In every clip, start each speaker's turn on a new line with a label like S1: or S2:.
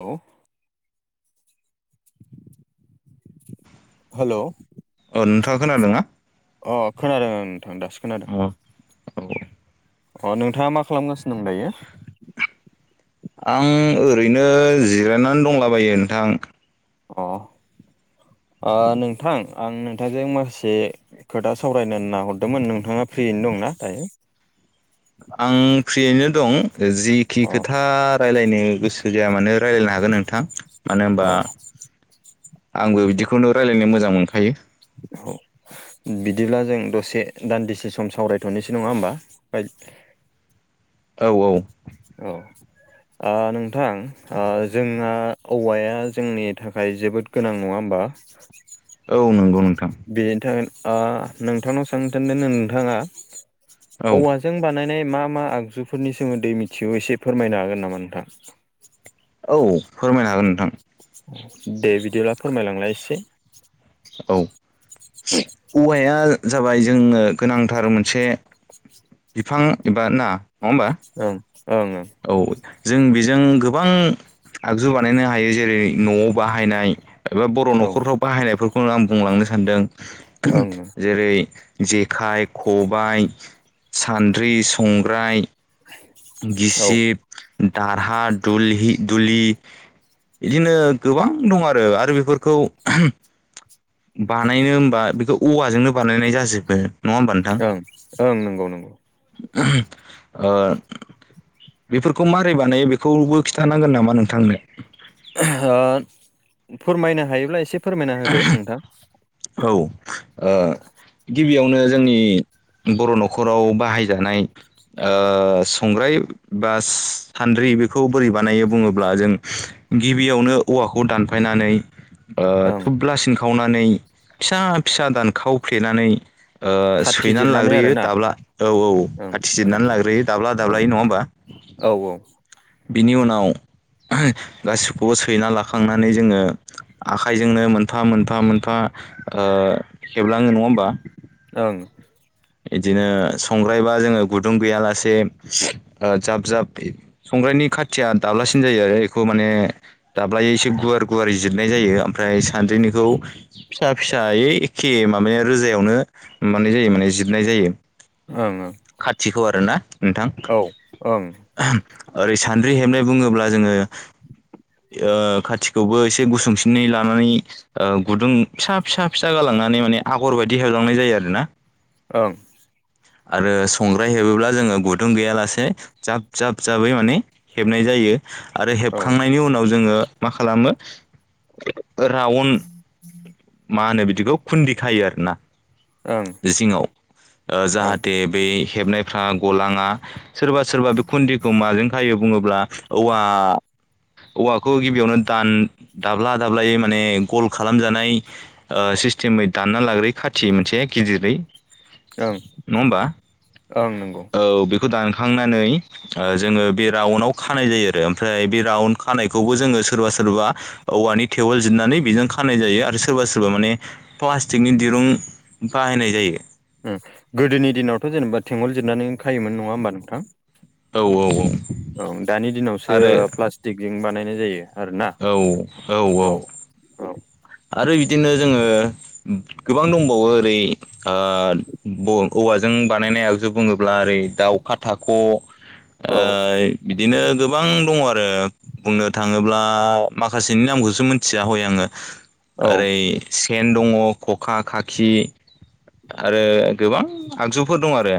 S1: औ हेलौ
S2: अ नोंथाङा खोनादोंना?
S1: अ खोनादों नोंथां दासो खोनादों।
S2: अ औ
S1: अ नोंथाङा मा खालामगासिनो दं दायो?
S2: आं ओरैनो जिरायनानै दंलाबायो नोंथां।
S1: अ ओ नोंथां आं नोंथांजों माखासे खोथा सावरायनो होनना हरदोंमोन नोंथाङा फ्रियैनो दंना दायो?
S2: आं फ्रियैनो दं। जिखि
S1: अ
S2: खोथा रायलायनो गोसो जाया मानो रायलायनो हागोन नोंथां मानो होनबा
S1: [unintelligible]
S2: आंबो बिदिखौनो रायलायनो मोजां मोनखायो।
S1: औ बिदिब्ला जों दसे दान्दिसे सम सावरायथ'नोसो नङा होमबा।
S2: औ औ
S1: औ ओ नोंथां ओ जोंना औवाया जोंनि थाखाय जोबोद गोनां नङा होमबा [unintelligible]
S2: औ नंगौ नोंथां।
S1: बेनि थाखायनो आ नोंथांनाव सों थोनदों नोंथाङा
S2: औ
S1: औवा जों बानायनाय मा मा आगजुफोरनि सोमोन्दै मिथिगौ एसे फोरमायनो हागोन नामा नोंथां?
S2: औ फोरमायनो हागोन नोंथां।
S1: दे बिदिब्ला फोरमायलांलाय एसे
S2: औ औवाया जाबाय जोंनो गोनांथार मोनसे बिफां एबा ना नङा होमबा
S1: उम ओं ओं।
S2: औ जों बेजों गोबां आगजु बानायनो हायो जेरै न'आव बाहायनाय एबा बर'
S1: ओं
S2: न'खरफ्राव बाहायनायफोरखौनो आं बुंलांनो सानदों
S1: औ ओं
S2: जेरै जेखाइ खबाय सान्द्रि संग्राय
S1: औ
S2: गिसिब दारहा दलहि दुलि बिदिनो गोबां दं आरो आरो बेफोरखौ बानायनो होमबा बेखौ औवाजोंनो बानायनाय जाजोबो नङा होमबा नोथां
S1: ओं ओं नंगौ नंगौ
S2: [inaudible] ओ बेफोरखौ मारै बानायो बेखौबो खिन्थानांगोन नामा नोंथांनो?
S1: फोरमायनो हायोब्ला एसे फोरमायना होदो नोंथां।
S2: औ ओ गिबियावनो जोंनि बर' न'खराव बाहायजानाय संग्राय बा सान्द्रि बेखौ बोरै बानायो बुङोब्ला जों गिबियावनो औवाखौ दानफायनानै ओ
S1: ओं
S2: थुब्ला सिन खावनानै फिसा फिसा दानखावफ्लेनानै
S1: खाथि
S2: सैनानै
S1: जिरनानै
S2: लाग्रोयो
S1: आरोना
S2: दाब्ला औ औ खाथि जिरनानै लाग्रोयो दाब्ला
S1: औ
S2: दाब्लायै नङा होमबा।
S1: औ औ
S2: बिनि उनाव गासिखौबो सैना लाखांनानै जोङो आखाइजोंनो मोनफा मोनफा मोनफा ओ हेबलाङो नङा होमबा।
S1: ओं
S2: बिदिनो संग्रायबा जोङो गुदुं गैयालासे जाब जाब संग्रानि खाथिया दाब्लासिन जायो आरो बेखौ माने दाब्लायै एसे गुवार गुवार जिरनाय जायो ओमफ्राय सानद्रिनिखौ फिसा फिसायै एखे माब रोजायावनो मानाय जायो माने जिरनाय जायो।
S1: ओं ओं
S2: खाथिखौ आरो ना नोंथां?
S1: औ ओं
S2: ओरै सानद्रि हेबनाय बुङोब्ला जोङो ओ खाथिखौबो एसे गुसुंसिनै लानानै ओ गुदुं फिसा फिसा फिसा गालांनानै माने आगर बायदि हेबलांनाय जायो आरो ना।
S1: ओं
S2: आरो संग्राय हेबोब्ला जोङो गुदुं गैयालासे जाब जाब जाबै माने हेबनाय जायो। आरो
S1: औ
S2: हेबखांनायनि उनाव जोङो मा खालामो रावन
S1: [inaudible]
S2: मा होनो बिदिखौ खुन्दि खायो आरो ना।
S1: ओं
S2: जिङाव
S1: औ
S2: जाहाथे बे हेबनायफ्रा गलाङा। सोरबा सोरबा बे खुन्दिखौ माजों खायो बुङोब्ला औवा औवाखौ गिबियावनो दान दाब्ला दाब्लायै माने गल खालामजानाय ओ सिस्टेमै दानना लाग्रयो खाथि मोनसे गिदिरै
S1: ओं
S2: नङा हबा
S1: ओं नंगौ
S2: औ बेखौ दानखांनानै ओ जोङो बे राउन्डआव खानाय जायो आरो ओमफ्राय बे राउन्ड खानायखौबो जोङो सोरबा सोरबा औवानि थेवल जिरनानै बेजों खानाय जायो आरो सोर सोरबा सोरबा माने प्लास्टिकनि दिरुं बाहायनाय जायो।
S1: गोदोनि दिनावथ' जेनेबा थेंगल जिरनानै खायोमोन नङा होमबा नोंथां?
S2: औ औ औ
S1: औं दानि दिनावसो
S2: आरो
S1: प्लास्टिकजों बानायनाय जायो। आरोना
S2: औ औ औ
S1: औ
S2: आरो बिदिनो जोङो गोबां दंबावो ओरै ओ बऔवाजों बानायनाय आगजु बुङोब्ला ओरै दाउ अखा थाख'
S1: [inaudible]
S2: ओ बिदिनो गोबां दङ आरो बुंनो थाङोब्ला माखासेनि नामखौसो मिथिया हय आङो।
S1: ओं
S2: ओरै सेन दङ खखा खाखि आरो गोबां आगजुफोर दं आरो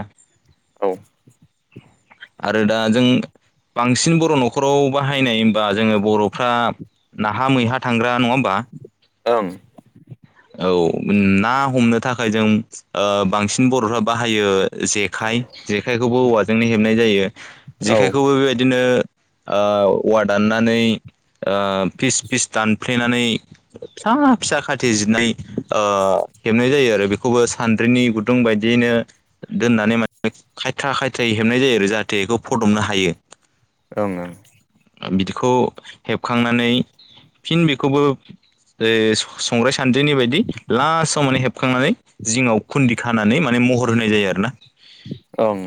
S1: औ
S2: आरो दा जों बांसिन बर' न'खराव बाहायनाय बा जोङो बर'फ्रा नाहा मैहा थांग्रा नङा होनोमबा
S1: ओं
S2: औ ना हमनो थाखाय जों ओ बांसिन बर'फ्रा बाहायो जेखाइ जेखायखौबो औवाजोंनो हेबनाय जायो।
S1: औ
S2: जेखायखौबो बेबायदिनो ओ औवा दाननानै फिस फिस दानफ्लेनानै फिसा फिसा खाथ थिजिनाय ओ हेबनाय जायो आरो बेखौबो सान्द्रिनि गुदुं बायदियैनो दोननानै माने खायथ्रा खायथ्रायै हेबनाय जायो आरो जाहाथे बेखौ फदबनो हायो
S1: ओं ओं
S2: बिदिखौ हेबखांनानै फिन बेखौबो ओ संग्राइ सान्द्रिनि बायदि लास्टाव माने हेबखांनानै जिङाव खुन्दि खानानै माने महर होनाय जायो आरो ना
S1: ओं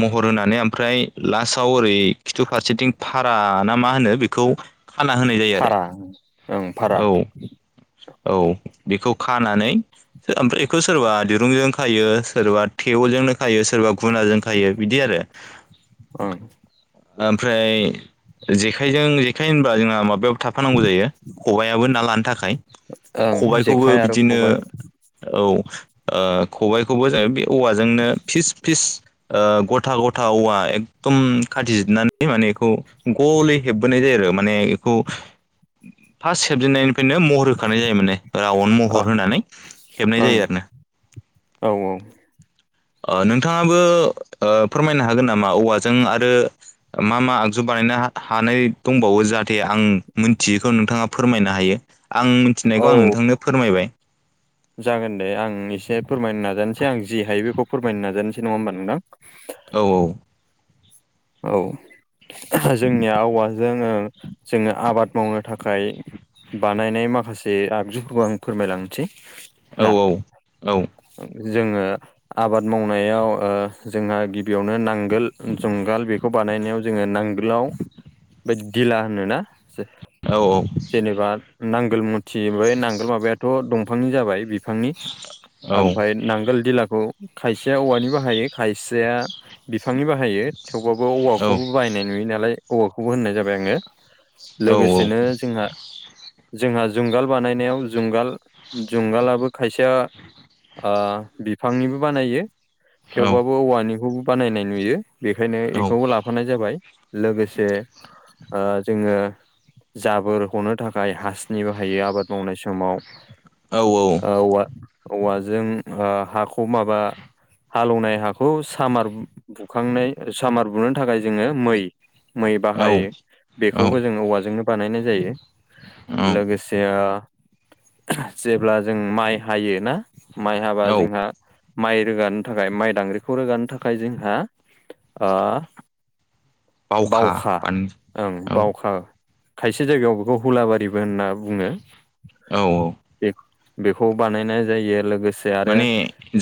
S2: महर होनानै ओमफ्राय लास्टाव ओरै खिथु फारसेथिं भारा नामा होनो बेखौ खाना होनाय जायो आरो
S1: भारा ओं भारा
S2: औ औ बेखौ खानानै ओमफ्राय बेखौ सोरबा दिरुंजों खायो सोरबा थेवलजोंनो खायो सोरबा गुनाजों खायो बिदि आरो
S1: ओं
S2: ओमफ्राय जेखायजों जेखाइ होनब्ला जोंहा माबायाव थाफानांगौ जायो खबायाबो ना लानो थाखाय
S1: ओं
S2: खबायखौबो
S1: जेखाइ आरो
S2: बिदिनो
S1: खबाइ
S2: औ खबाइखौबो जों बे औवाजोंनो फिस फिस गथा गथा औवा एकदम खाथिजिरनानै माने बेखौ गलै हेबबोनाय जायो आरो माने बेखौ फार्स्ट हेबजेननायनिफ्रायनो महर होखानाय जायो माने राउनड
S1: ओं
S2: महर होनानै हेबनाय
S1: ओं
S2: जायो आरोना
S1: औ औ
S2: नोंथाङाबो फोरमायनो हागोन नामा औवाजों आरो मा मा आगजु बानायनो हानाय दंबावो जाहाथे आं मोनथियैखौ नोंथाङा फोरमायनो हायो आं मिथिनायखौ आं
S1: औ
S2: नोंथांनो फोरमायबाय
S1: जागोन दे आं एसे फोरमायनो नाजानोसै आं जि हायो बेखौ फोरमायनो नाजानोसै नङा होमबा नोंथां?
S2: औ औ
S1: औ जोंनिआव आवाजों जोङो आबाद मावनो थाखाय बानायनाय माखासे आगजुफोरखौ आं फोरमायलांसै
S2: औ औ औ
S1: जोङो आबाद मावनायाव जोंहा गिबियावनो नांगोल जुंगाल बेखौ बानायनायाव जोङो नांगोलाव बे दिला होनोना
S2: औ औ
S1: जेनेबा नांगोल मुथि नांगोल माबायाथ' दंफांनि जाबाय बिफांनि
S2: औ
S1: ओमफ्राय नांगोल दिलाखौ खायसेया औवानि बाहायो खायसेया बिफांनि बाहायो थेवबाबो
S2: औ
S1: औवाखौबो बाहायनाय नुयो नालाय औवाखौबो होननाय जाबाय आङो लोगोसेनो जोंहा जोंहा जुंगाल बानायनायाव जुंगाल जुंगालाबो खायसेया बिफांनिबो बानायो थेवबाबो औवानिंखौबो बानायनाय नुयो बेखायनो बेखौबो लाफानाय जाबाय लोगोसे जोङो जाबोर हनो थाखाय हासनि बाहायो आबाद मावनाय समाव
S2: औ औ
S1: ओ औवा औवाजों हाखौ माबा हालेवनाय हाखौ सामार बुखांनाय सामार बुनो थाखाय जोङो मै मै बाहायो
S2: औ
S1: बेखौबो जोङो औवाजोंनो बानायनाय जायो
S2: औ औ
S1: लोगोसे जेब्ला जों माइ हायो ना माइ हाबा जोंहा माइ रोगानो थाखाय माइ दांग्रिखौ रोगानो थाखाय जोंहा बावखा ओं
S2: औ
S1: बावखा खायसे जायगायाव बेखौ हुलाबारिबो होनना बुङो
S2: औ औ
S1: बेख बेखौबो बानायनाय जायो लोगोसे आरो
S2: माने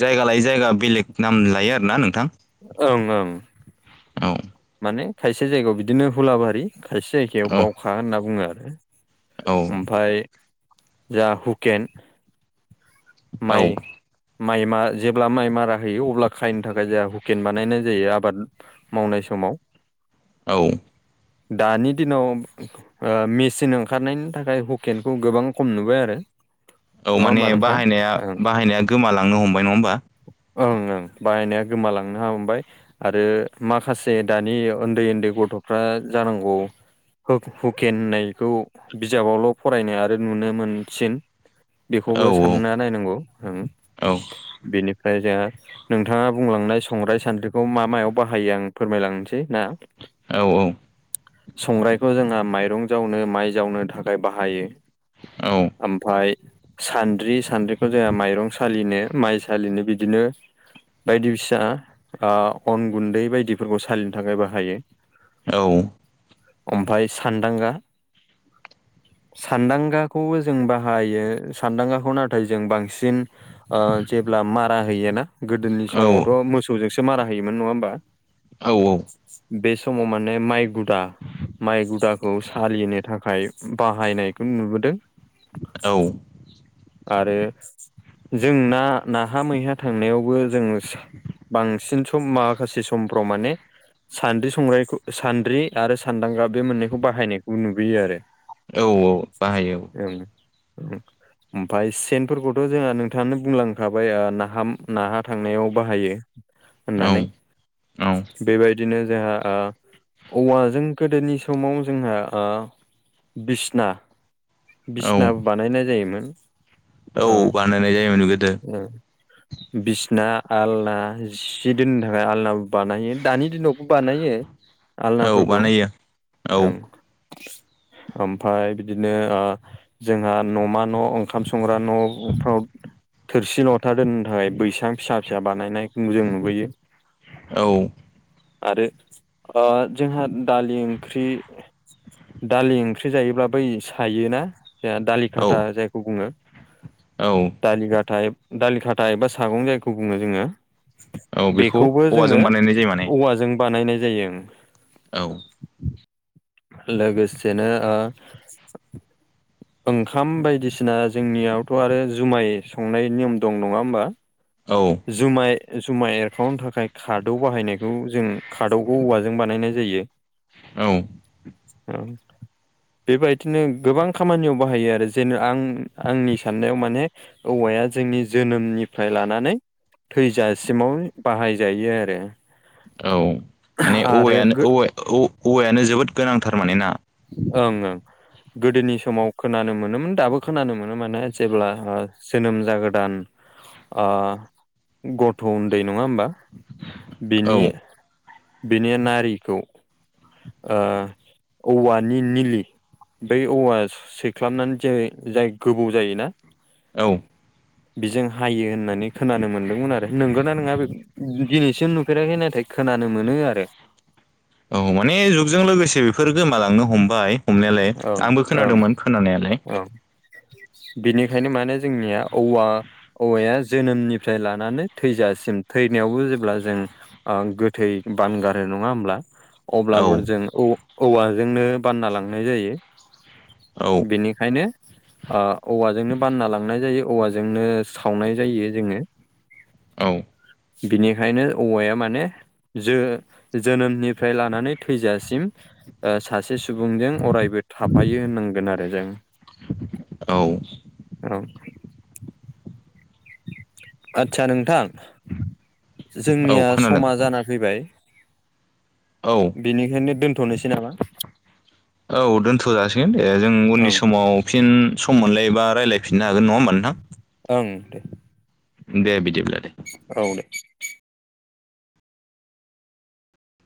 S2: जायगा लायै जायगा बेलेग नाम लायो आरोना नोंथां
S1: ओं ओं
S2: औ
S1: माने खायसे जायगायाव बिदिनो हुलाबारि खायसे जायगायाव बावखा होनना बुङो आरो
S2: औ
S1: ओमफफ्राय जा हुकेन
S2: औ
S1: माइ माइ मा जेब्ला माइ मारा होयो अब्ला खायनो थाखाय जोंहा हुकेन बानायनाय जायो आबाद मावनाय समाव
S2: औ
S1: दानि दिनाव मेचन ओंखारनायनि थाखाय हुकेनखौ गोबां खम नुबाय आरो
S2: औ
S1: नङा
S2: माने
S1: होमबा नोंथां
S2: बाहायनाया
S1: ओं
S2: बाहायनाया गोमालांनो हमबाय नङा होमबा
S1: ओं ओं बायनाया गोमालांनो हबाय आरो माखासे जे दानि उन्दै उन्दै गथ'फ्रा जानांगौ हुकेन होननायखौ बिजाबावल' फरायनाय आरो नुनो मोनसिन बेखौबो
S2: औ
S1: सानना नायनांगौ ओं
S2: औ
S1: बेनिफ्राय जोंहा नोंथाङा बुंलांनाय संग्राय सान्द्रिखौ मा मायाव बाहायो आं फोरमायलांनोसै ना
S2: औ औ
S1: संग्राइखौ जोंहा माइरं जावनो माइ जावनो थाखाय बाहायो
S2: औ
S1: ओमफ्राय सान्द्रि सान्द्रिखौ जोंहा माइरं सालिनो माइसालिनो बिदिनो बायदि फिसा अन गुन्दै बायदि फोरखौ सालिनो थाखाय बाहायो
S2: औ
S1: ओमफ्राय सानदांगा सानदांगाखौबो जों बाहायो सानदांगाखौ नाथाय जों बांसिन जेब्ला मारा होयोना गोदोनि
S2: औ
S1: समावथ' मोसौजोंसो मारा होयोमोन नङा होमबा
S2: औ औ
S1: बे समाव माने माइ गुदा माइ गुदाखौ सालिनो थाखाय बाहायनायखौ नुबोदों
S2: औ
S1: आरो जोंना नाहा मैहा थांनायावबो जों बांसिन सम माखासे समफ्राव माने सान्द्रि संग्राइखौ सान्द्रि आरो सान्दांगा बे मोननैखौ बाहायनायखौ नुबोयो आरो
S2: औ औ बाहायो औ
S1: ओं ओम ओमफ्राय सेनफोरखौथ' जोंहा नोंथाङानो बुंलांखाबाय नाहा नाहा थांनायाव बाहायो
S2: औ
S1: होननानै
S2: औ
S1: बेबायदिनो जोंहा औवाजों गोदोनि समाव जोंहा बिसना
S2: औ
S1: बिसनाबो बानायनाय जायोमोन
S2: औ
S1: ओ
S2: बानायनाय जायोमोन गोदो
S1: [inaudible] बिसना आलना जि दोननो थाखाय आलना बानायो दानि दिनावबो बानायो
S2: औ
S1: आलनाफोरखौ
S2: बानायो औ
S1: ओं ओमफफ्राय बिदिनो जोंहा न'मा न' ओंखार ओंखाम संग्रा न'फ्राव थोरसि लथा दोननो थाखाय बैसां फिसा फिसा बानायनाय जों नुबोयो
S2: औ।
S1: आरो जोंहा दालि ओंख्रि दालि ओंख्रि जायोब्ला बै सायोना जोंहा दालि
S2: औ
S1: खाथा जायखौ बुङो
S2: औ।
S1: दालि- दालि खााथथाय बा सागं जायखौ बुङो जोङो
S2: औ बेखौ
S1: बेखौबो जोङो
S2: औवाजों बानायनाय जायो माने
S1: औवाजों बानायनाय जायो ओं
S2: औ।
S1: लगेजसे नो ओ ओंखाम बायदिसिना जोंनियावथ' आरो जुमाय संनाय नियम दं नङा होमबा
S2: औ।
S1: जुमाय -जुमाय एरखांनो थाखाय खारदौ बाहायनायखौ जों खारदौखौ औवाजों बानायनाय जायो
S2: औ।
S1: बेबायदिनो गोबां खामानियाव बाहायो आरो जेन' आं आंनि साननायाव माने औवाया जोंनि जोनोमनिफ्राय लानानै थैजासिमाव बाहायजायो आरो
S2: औ माने
S1: आरो गो
S2: औवायानो - औ -औवायानो जोबोद गोनांथार माने ना
S1: ओं ओं। गोदोनि समाव खोनानो मोनोमोन दाबो खोनानो मोनो माने जेब्ला जोनोम ज गोदान गथ' उन्दै नङा होमबा
S2: औ
S1: बिनि बेनि नारिखौ औव नि निलि बै औवा सैख्लानानै जे जाय गोबौ जायोना
S2: औ।
S1: बेजों हायो होननानै खोनानो मोन्दोंमोन आरो नंगौ नना नङा बे दिनैसिम नुफेराखै नाथाय खोनानो मोनो आरो
S2: औ माने जुगजों लोगोसे बेफोर गोमालांनो हमबाय हमनायालाय आंबो खोनादोंमोन खोनानायालाय
S1: बेनिखायनो माने जोंनिया औवा औवाया जोनोमनिफ्राय लानानै थैजासिम थैनायावबो जेब्ला जों गोथै बानगारो नङा होमब्ला
S2: औ
S1: अब्लाबो जों औवाजोंनो बानना लांनाय जायो
S2: औ।
S1: बेनिखायनो औवाजोंनो बानना लांनाय जायो औवाजोंनो सावनाय जायो जोङो
S2: औ।
S1: बिनिखायनो औवाया माने जो -जोनोमनिफ्राय लानानै थैजासिम सासे सुबुंजों अरायबो थाफायो होननांगोन आरो जों
S2: औ
S1: औ आदसा नोंथां
S2: औ
S1: जोंनिया
S2: खोनादों
S1: समा जाना फैबाय
S2: औ।
S1: बेनिखायनो दोनथ'नोसै नामा?
S2: औ दोन्थ'जासिगोन दे जों उननि
S1: ओं
S2: समाव फिन सम मोनलायबा रायलायफिननो हागोन नङा होमबा नोंथां।
S1: ओं दे।
S2: दे बिदिब्ला दे
S1: औ दे।